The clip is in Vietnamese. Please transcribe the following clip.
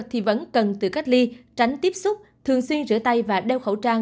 thì vẫn cần tự cách ly tránh tiếp xúc thường xuyên rửa tay và đeo khẩu trang